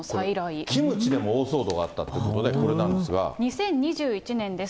これ、キムチでも大騒動があったということで、これなんです２０２１年です。